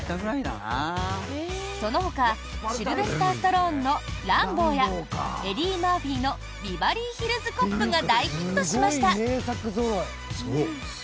そのほかシルベスター・スタローンの「ランボー」やエディ・マーフィーの「ビバリーヒルズ・コップ」が大ヒットしました。